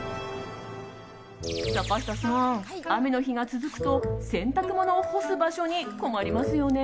坂下さん、雨の日が続くと洗濯物を干す場所に困りますよね。